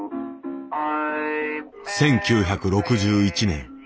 １９６１年。